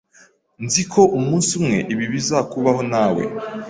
Nzi ko umunsi umwe ibi bizakubaho, nawe